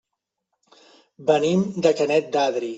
Venim de Canet d'Adri.